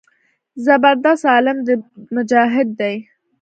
زبردست عالم دى مجاهد دى.